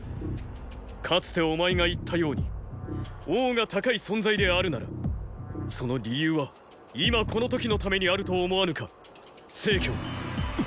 かつてお前が言ったように王が天い存在であるならその理由は今この時のためにあると思わぬか成。！